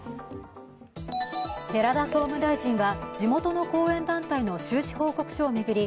寺田総務大臣は地元の後援団体の収支報告書を巡り